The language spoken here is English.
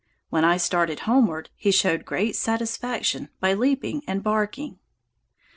When I started homeward, he showed great satisfaction by leaping and barking.